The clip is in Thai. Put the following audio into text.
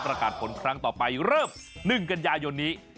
ประกาศผลครั้งต่อไปเริ่ม๑กันยายนนี้